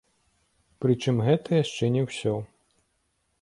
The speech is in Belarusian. Прычым гэта яшчэ не ўсё.